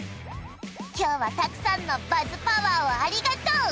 今日はたくさんのバズパワーをありがとう！